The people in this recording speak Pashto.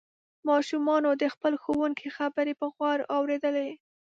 ماشومانو د خپل ښوونکي خبرې په غور اوریدلې.